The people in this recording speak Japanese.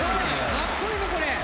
かっこいいぞこれ。